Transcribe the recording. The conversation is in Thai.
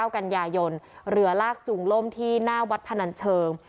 กันยายนเรือลากจูงล่มที่หน้าวัดพนันเชิง